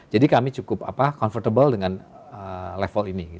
jadi kami cukup comfortable dengan level ini